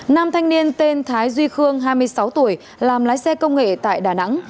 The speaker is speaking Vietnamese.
nam thanh niên tên thái duy khương hai mươi sáu tuổi làm lái xe công nghệ tại đà nẵng